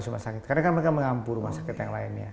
rumah sakit karena kan mereka mengampu rumah sakit yang lainnya